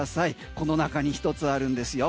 この中に１つあるんですよ。